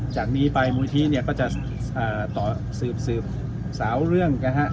จากนี้ไปบุริธีเนี่ยก็จะสืบสาวเรื่องนะฮะ